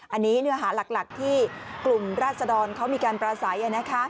อันนี้เนื้อหาหลักที่กลุ่มราศดรเขามีการปราศัย